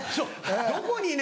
どこにね